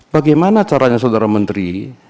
bagaimana caranya saudara menteri